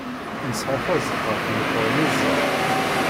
Nesɛa tazeqqa tmeqqer nezzeh.